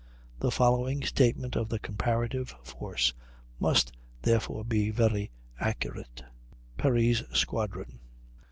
The following statement of the comparative force must therefore be very nearly accurate: PERRY'S SQUADRON.